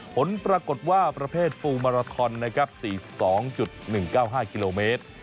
ผลปรากฎว่าประเภทฟูลมาราทอนนะครับสี่สิบสองจุดหนึ่งเก้าห้ากิโลเมตร